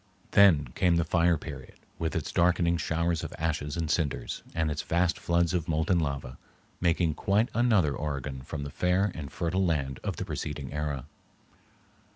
Then came the fire period with its darkening showers of ashes and cinders and its vast floods of molten lava, making quite another Oregon from the fair and fertile land of the preceding era.